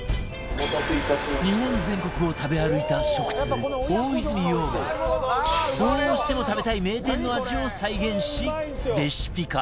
日本全国を食べ歩いた食通大泉洋がどうしても食べたい名店の味を再現しレシピ化